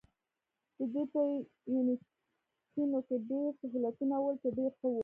د دوی په یونیټونو کې ډېر سهولتونه ول، چې ډېر ښه وو.